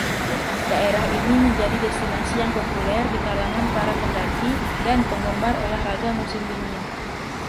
Daerah ini menjadi destinasi yang populer di kalangan para pendaki dan penggemar olah raga musim dingin.